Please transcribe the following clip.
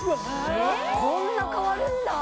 こんな変わるんだ！